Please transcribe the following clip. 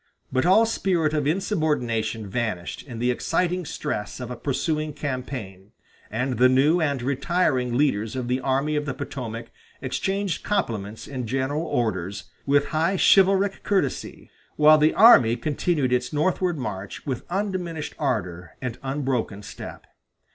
But all spirit of insubordination vanished in the exciting stress of a pursuing campaign and the new and retiring leaders of the Army of the Potomac exchanged compliments in General Orders with high chivalric courtesy, while the army continued its northward march with undiminished ardor and unbroken step.